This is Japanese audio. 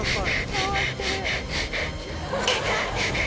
回ってる。